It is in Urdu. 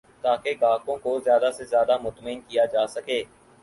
تاکہ گاہکوں کو زیادہ سے زیادہ مطمئن کیا جا سکے